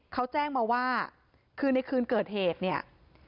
เขาแจ้งมาว่าคือในคืนเกิดเหตุเนี่ย